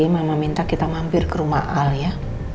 mama minta kita mampir ke rumah al ya